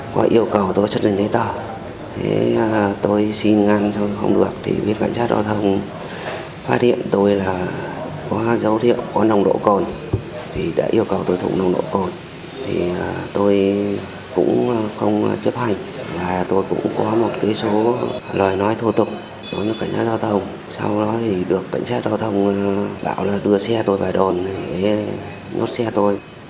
cái số lời nói thổ tục của cảnh sát giao thông sau đó thì được cảnh sát giao thông bảo là đưa xe tôi vào đồn để ngốt xe tôi